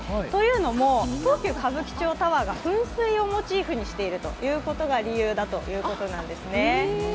東京・歌舞伎町タワーは噴水をモチーフにしているということが、理由だということなんですね。